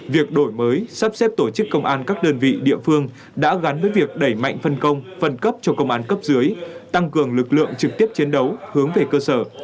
việc đổi mới sắp xếp tổ chức công an các đơn vị địa phương đã gắn với việc đẩy mạnh phân công phân cấp cho công an cấp dưới tăng cường lực lượng trực tiếp chiến đấu hướng về cơ sở